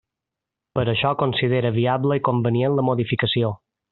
Per això considera viable i convenient la modificació.